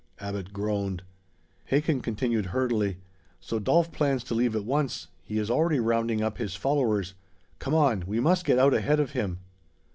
Abbot groaned. Hakin continued hurriedly: "So Dolf plans to leave at once. He is already rounding up his followers. Come on! We must get out ahead of him!"